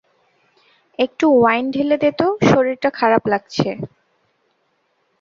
একটু ওয়াইন ঢেলে দে তো, শরীরটা খারাপ লাগছে।